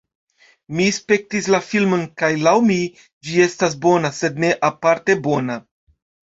Mi spektis la filmon kaj laŭ mi, ĝi estas bona sed ne aparte bona